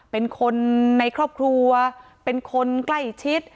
เป็นคนในครอบครัวเป็นคนใกล้ชิด